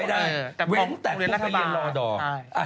ไม่ได้แต่โรงเรียนรักษาบาล